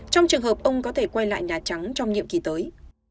trong trường hợp ông có thể quay lại nhà trắng trong nhiệm kỳ tới